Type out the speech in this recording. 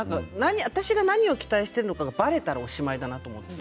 私が何を期待しているのかばれたらおしまいだなと。